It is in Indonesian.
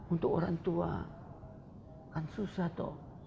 untuk orang tua kan susah toh